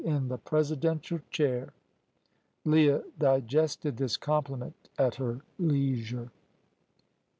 in th' Presidential Chair." Leah digested this compliment at her leisure.